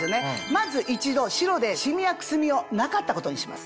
まず一度白でシミやくすみをなかったことにします。